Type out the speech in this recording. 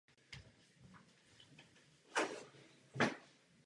Akcie si mezi sebe rozdělilo osm mužů.